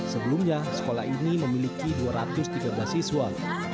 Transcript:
sebelumnya sekolah ini memiliki dua ratus tiga belas siswa